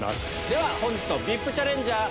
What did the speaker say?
では本日のＶＩＰチャレンジャー